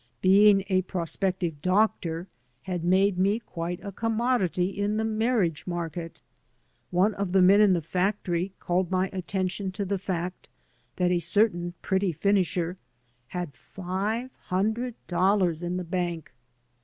Being a prospective doctor had made me quite a commodity in the marriage market. One of the men in the factory called my attention to the fact that a certain pretty finisher had five hundred dollars in the bank.